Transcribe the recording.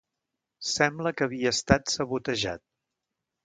Sembla que havia estat sabotejat.